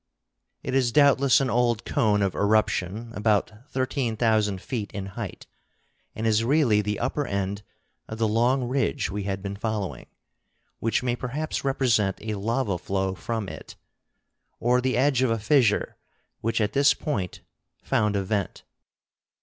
It is doubtless an old cone of eruption, about thirteen thousand feet in height, and is really the upper end of the long ridge we had been following, which may perhaps represent a lava flow from it, or the edge of a fissure which at this point found a vent.